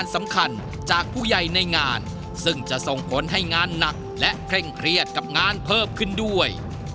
ซึ่งจะส่งผลให้งานหนักและเคร่งเครียดกับงานเพิ่มขึ้นด้วย